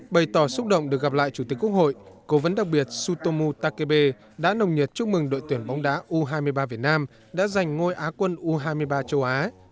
bày tỏ xúc động được gặp lại chủ tịch quốc hội cố vấn đặc biệt sutomu takebe đã nồng nhiệt chúc mừng đội tuyển bóng đá u hai mươi ba việt nam đã giành ngôi á quân u hai mươi ba châu á